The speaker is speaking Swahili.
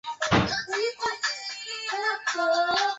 akionya kutokea kwa maafa ya nuklia ikiwa uhasama utazidi